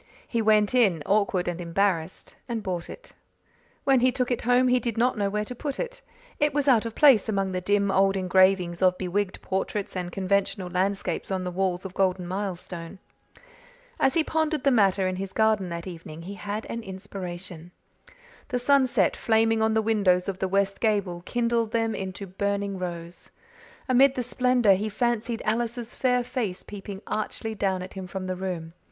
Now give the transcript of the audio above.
He went in, awkward and embarrassed, and bought it. When he took it home he did not know where to put it. It was out of place among the dim old engravings of bewigged portraits and conventional landscapes on the walls of Golden Milestone. As he pondered the matter in his garden that evening he had an inspiration. The sunset, flaming on the windows of the west gable, kindled them into burning rose. Amid the splendour he fancied Alice's fair face peeping archly down at him from the room.